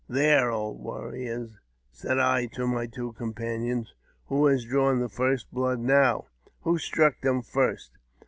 " There, old warriors," said I to my two companions, " who has dravm the first blood now ? W^ho struck them first